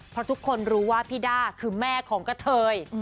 เพราะทุกคนรู้ว่าพี่ด้าคือแม่ของกะเทย